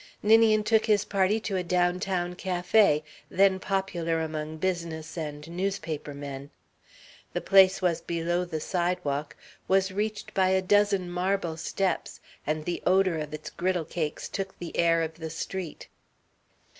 Ninian took his party to a downtown café, then popular among business and newspaper men. The place was below the sidewalk, was reached by a dozen marble steps, and the odour of its griddle cakes took the air of the street.